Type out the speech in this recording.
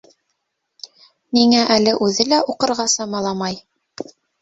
Ниңә әле үҙе лә уҡырға самаламай?